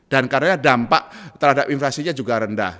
dan karena dampak terhadap inflasinya juga rendah